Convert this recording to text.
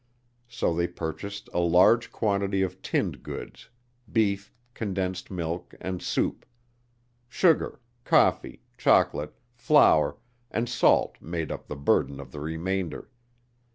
So they purchased a large quantity of tinned goods; beef, condensed milk, and soup. Sugar, coffee, chocolate, flour, and salt made up the burden of the remainder.